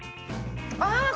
あ！